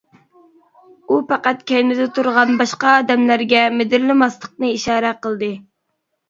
ئۇ پەقەت كەينىدە تۇرغان باشقا ئادەملەرگە مىدىرلىماسلىقنى ئىشارە قىلدى.